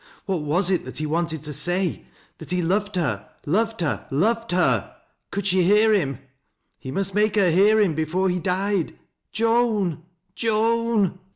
What was it that he wanted to say, — That he bved her, — loved her, — loved her ! Could she hear him ] Ele must make her hear him before he died, — "Joan Joan 1 " RECOONITION.